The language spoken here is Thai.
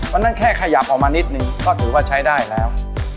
เพราะฉะนั้นแค่ขยับออกมานิดหนึ่งก็ถือว่าใช้ได้แล้ว